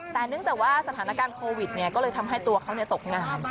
แต่เนื่องจากว่าสถานการณ์โควิดก็เลยทำให้ตัวเขาตกงาน